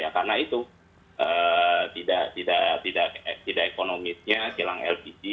karena itu tidak ekonomisnya kilang lpg